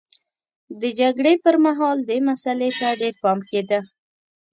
د جګړې پرمهال دې مسئلې ته ډېر پام کېده